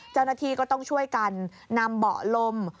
เจ้าหน้าที่ก็ต้องช่วยกันนำเบาะลม